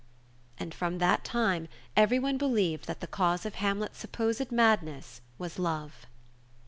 And from that time everyone believed that the cause of Hamlet's supposed madness was love.